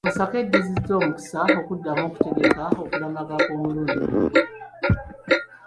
Masaka eddiziddwa omukisa okuddamu okutegeka okulamaga kw’omulundi guno.